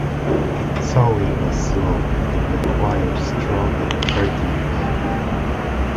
Sawing was slow, and required strong and hearty men.